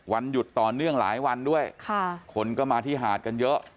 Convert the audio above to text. วันหยุดต่อเนื่องหลายวันด้วยคนก็มาที่หาดกันเยอะ